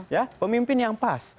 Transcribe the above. ya pemimpin yang pas